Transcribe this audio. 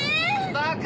バカ！